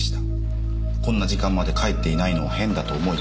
「こんな時間まで帰っていないのは変だと思い」